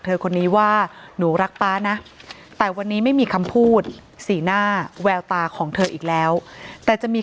แต่วันนี้ไม่มีคำพูดสีหน้าแววตาของเธออีกแล้วแต่จะมี